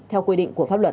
theo quy định của pháp luật